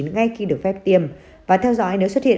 ngay khi được phép tiêm và theo dõi nếu xuất hiện